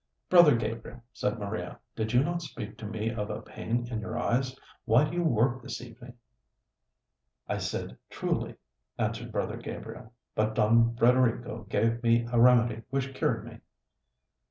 "Brother Gabriel," said Maria, "did you not speak to me of a pain in your eyes? Why do you work this evening?" "I said truly," answered brother Gabriel; "but Don Frederico gave me a remedy which cured me."